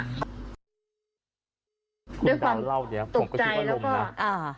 ด้วยความตกใจแล้วก็